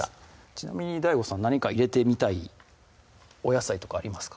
ちなみにＤＡＩＧＯさん入れてみたいお野菜とかありますか？